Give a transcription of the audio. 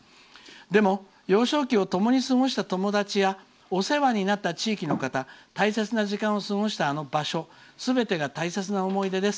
でも、幼少期をともに過ごした友達や、お世話になった地域の方大切な時間を過ごしたあの場所すべてが大切な思い出です。